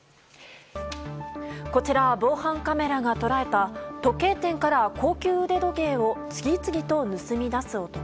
こちらは防犯カメラが捉えた時計店から高級腕時計を次々と盗み出す男。